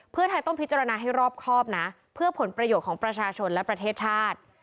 เพื่อไทยต้องพิจารณาให้รอบครอบนะเพื่อผลประโยชน์ของประชาชนและประเทศชาติ